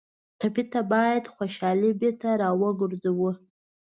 ټپي ته باید خوشالي بېرته راوګرځوو.